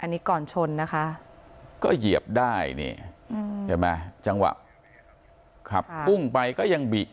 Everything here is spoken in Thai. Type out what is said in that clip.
อันนี้ก่อนชนนะคะก็เหยียบได้นี่ใช่ไหมจังหวะขับพุ่งไปก็ยังบิ